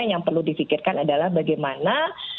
yang perlu difikirkan adalah bagaimana